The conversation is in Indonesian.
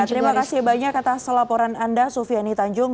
terima kasih banyak kata selaporan anda sufiani tanjung